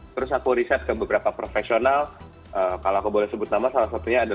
terus aku riset ke beberapa profesional kalau aku boleh sebut nama